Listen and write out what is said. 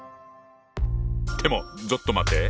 でもちょっと待って。